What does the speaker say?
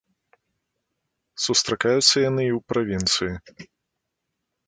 Сустракаюцца яны і ў правінцыі.